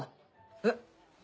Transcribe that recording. えっ。